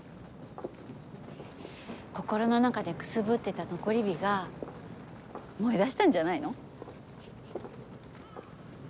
心の中でくすぶってた残り火が燃えだしたんじゃないの？